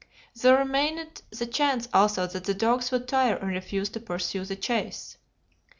There remained the chance also that the dogs would tire and refuse to pursue the chase.